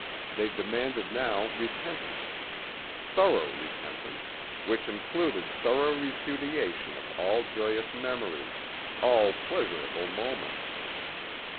They demanded now repentance, thorough repentance which included thorough repudiation of all joyous memories, all pleasurable moments.